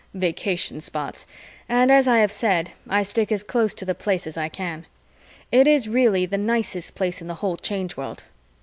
vacation spots and, as I have said, I stick as close to the Place as I can. It is really the nicest Place in the whole Change World.